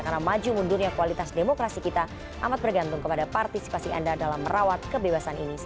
karena maju mundurnya kualitas demokrasi kita amat bergantung kepada partisipasi anda dalam merawat kebebasan indonesia